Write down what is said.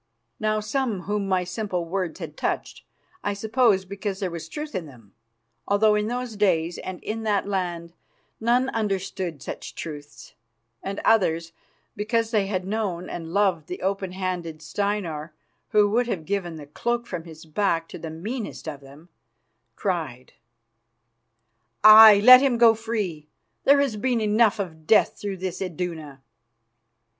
Now, some whom my simple words had touched, I suppose because there was truth in them, although in those days and in that land none understood such truths, and others, because they had known and loved the open handed Steinar, who would have given the cloak from his back to the meanest of them, cried: "Aye, let him go free. There has been enough of death through this Iduna."